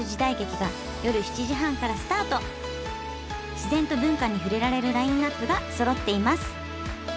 自然と文化に触れられるラインナップがそろっています